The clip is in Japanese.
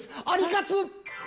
ありかつ。